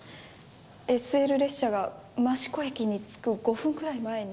ＳＬ列車が益子駅に着く５分くらい前に。